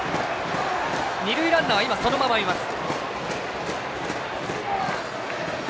二塁ランナー、そのままいます。